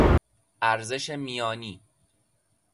ارزش میانی